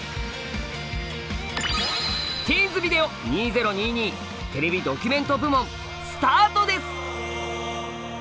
「ティーンズビデオ２０２２」「テレビドキュメント部門」スタートです！